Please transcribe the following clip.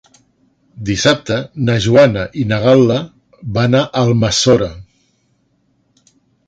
Dissabte na Joana i na Gal·la van a Almassora.